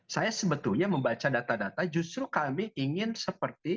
saya sebetulnya membaca data data justru kami ingin seperti